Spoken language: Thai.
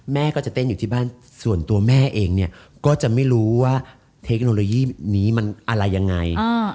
แม่ก็จะเต้นอยู่ที่บ้านส่วนตัวแม่เองเนี่ยก็จะไม่รู้ว่าเทคโนโลยีนี้มันอะไรยังไง